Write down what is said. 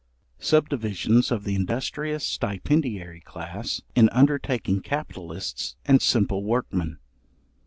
Subdivisions of the industrious stipendiary class, in undertaking capitalists and simple workmen.